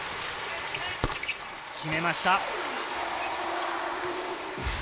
決めました。